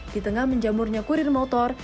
di tengah menjamurnya kurir motor